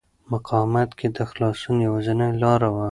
مقاومت مې د خلاصون یوازینۍ لاره وه.